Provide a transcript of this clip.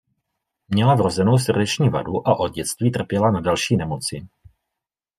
Měla vrozenou srdeční vadu a od dětství trpěla na další nemoci.